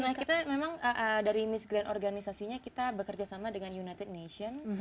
nah kita memang dari miss grand organisasinya kita bekerja sama dengan united nation